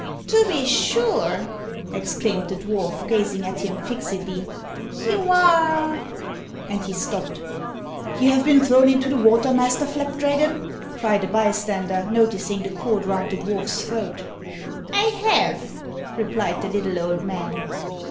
"To be sure!" exclaimed the dwarf, gazing at him fixedly; "you are " and he stopped. "You have been thrown into the water, Master Flapdragon?" cried a bystander, noticing the cord round the dwarf's throat. "I have," replied the little old man.